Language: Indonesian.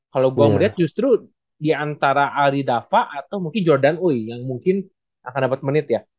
kalau gue ngeliat justru di antara aridafa atau mungkin jordan oi yang mungkin akan dapet menit ya